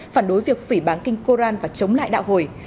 phản đối việc phỉ bán kinh koran và chống lại đạo hồi